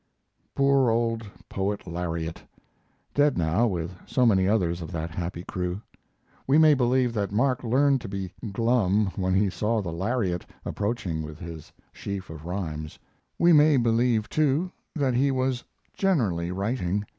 Poor old Poet Lariat dead now with so many others of that happy crew. We may believe that Mark learned to be "glum" when he saw the Lariat approaching with his sheaf of rhymes. We may believe, too, that he was "generally writing."